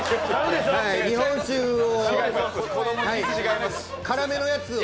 日本酒を辛めのやつ。